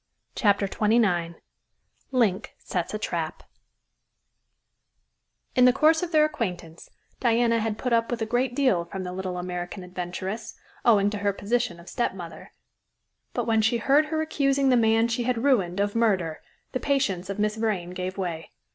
CHAPTER XXIX LINK SETS A TRAP In the course of their acquaintance, Diana had put up with a great deal from the little American adventuress, owing to her position of stepmother, but when she heard her accusing the man she had ruined of murder, the patience of Miss Vrain gave way.